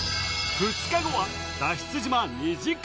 ２日後は脱出島２時間